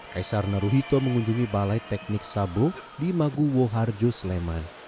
kaisar naruhito mengunjungi balai teknik sabo di maguwo harjo sleman